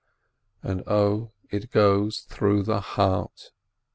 0 how it goes through the heart